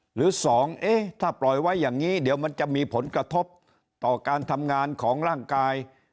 หรือ๒ถ้าปล่อยไว้อย่างนี้เดี๋ยวมันจะมีผลกระทบต่อการทำงานของร่างกาย